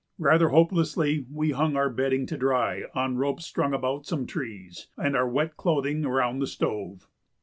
Rather hopelessly we hung our bedding to dry on ropes strung about some trees, and our wet clothing around the stove.